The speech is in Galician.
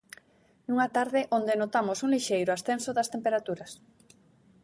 Nunha tarde onde notamos un lixeiro ascenso das temperaturas.